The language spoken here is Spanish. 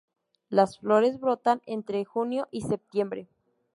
Las flores brotan entre junio y septiembre.